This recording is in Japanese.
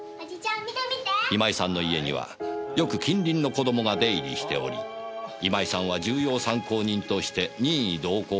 今井さんの家にはよく近隣の子どもが出入りしており今井さんは重要参考人として任意同行を求められました。